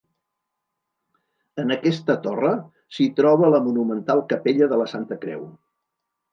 En aquesta torre s'hi troba la monumental Capella de la Santa Creu.